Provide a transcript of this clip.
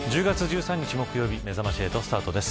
１０月１３日木曜日めざまし８スタートです。